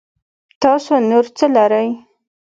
تاسو نور څه لرئ